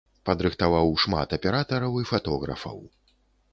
Падрыхтаваў шмат аператараў і фатографаў.